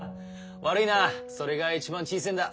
悪いなそれが一番小せえんだ。